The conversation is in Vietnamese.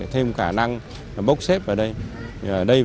thêm khả năng bốc xếp vào đây